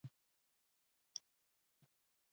رومیانو د یونانیانو له نظري تیوري څخه ګټه واخیسته.